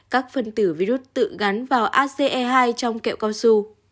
các phần tử virus tự gắn vào ace hai trong kẹo cao